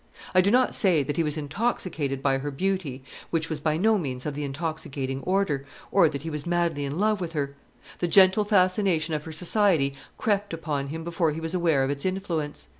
I do not say that he was intoxicated by her beauty, which was by no means of the intoxicating order, or that he was madly in love with her. The gentle fascination of her society crept upon him before he was aware of its influence.